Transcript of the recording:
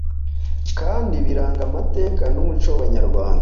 kandi biranga amateka n'umuco wabanyarwanda,